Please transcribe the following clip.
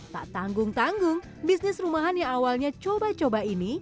tak tanggung tanggung bisnis rumahan yang awalnya coba coba ini